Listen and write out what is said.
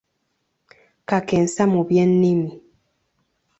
Kakensa mu by’ennimi.